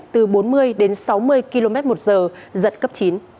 từ bốn mươi đến sáu mươi km một giờ giật cấp chín